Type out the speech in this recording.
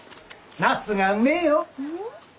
なすがうめえよ。